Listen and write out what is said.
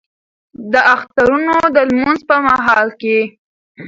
د اخترونو د لمونځ په مهال کې